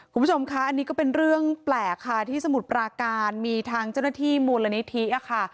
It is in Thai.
คุณผู้ชมคะอันนี้ก็เป็นเรื่องแปลกค่ะที่สมุทรปราการมีทางเจ้าหน้าที่มูลนิธิค่ะ